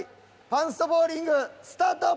パンストボウリングスタート！